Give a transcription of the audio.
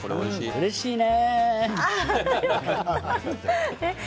うれしいね。